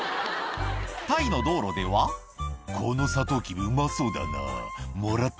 タイの道路では「このサトウキビうまそうだなもらっ